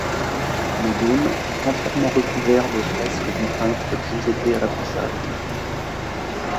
Le dôme est entièrement recouvert de fresques du peintre Giuseppe Rapisardi.